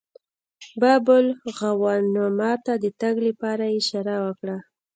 باب الغوانمه ته د تګ لپاره یې اشاره وکړه.